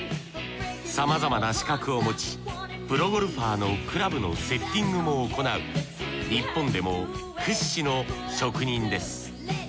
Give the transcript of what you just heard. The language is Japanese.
さまざまな資格を持ちプロゴルファーのクラブのセッティングも行う日本でも屈指の職人です。